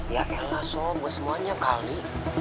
ya elah sob gue semuanya kali